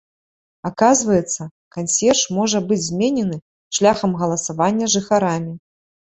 Аказваецца, кансьерж можа быць зменены шляхам галасавання жыхарамі.